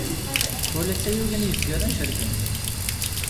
Ula d tayuga n yizgaren cerken-tt.